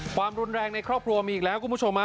ความรุนแรงในครอบครัวมีอีกแล้วคุณผู้ชม